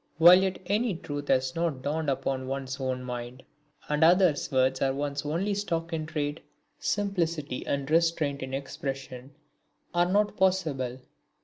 While yet any truth has not dawned upon one's own mind, and others' words are one's only stock in trade, simplicity and restraint in expression are not possible.